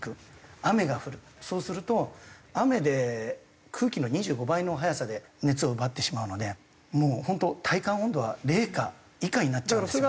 そうすると雨で空気の２５倍の速さで熱を奪ってしまうのでもう本当体感温度は零下以下になっちゃうんですよね。